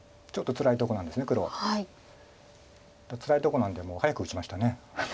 つらいとこなんでもう早く打ちました。